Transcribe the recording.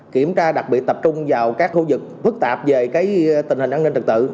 kiểm tra đặc biệt tập trung vào các khu vực phức tạp về tình hình an ninh trật tự